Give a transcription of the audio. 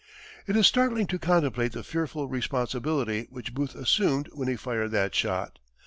It is startling to contemplate the fearful responsibility which Booth assumed when he fired that shot.